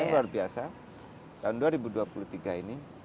dan yang luar biasa tahun dua ribu dua puluh tiga ini